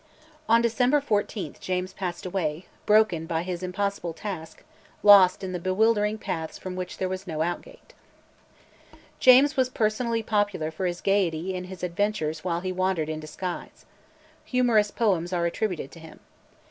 On December 14th James passed away, broken by his impossible task, lost in the bewildering paths from which there was no outgait. James was personally popular for his gaiety and his adventures while he wandered in disguise. Humorous poems are attributed to him.